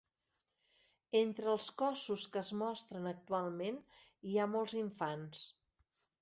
Entre els cossos que es mostren actualment hi ha molts infants.